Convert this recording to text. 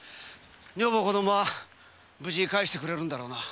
女房と子供は無事に返してくれるんだな。